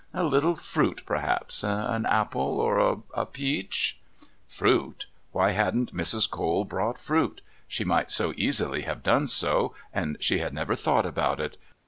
A little fruit, perhaps an apple or a peach " Fruit? Why hadn't Mrs. Cole brought fruit? She might so easily have done so, and she had never thought about it.